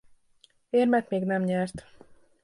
Érmet még nem nyert.